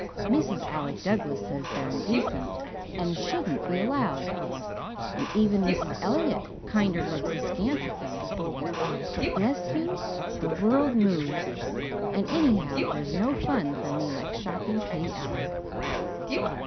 Mrs. Alec Douglas says they're indecent and shouldn't be allowed, and even Mrs. Elliott kinder looks askance at them. But bless you, the world moves, and anyhow there's no fun for me like shocking Kitty Alec."